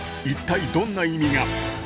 一体どんな意味が？